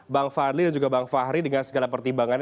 bang fahri dan juga bang fahri dengan segala pertimbangan